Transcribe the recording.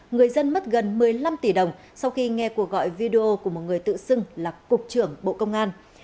người dân mất gần một mươi năm tỷ đồng sau khi nghe cuộc gọi video của một người tự xưng là cục trưởng bộ công an